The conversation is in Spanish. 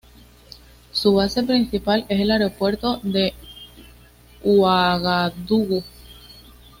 Su base principal es el Aeropuerto de Uagadugú.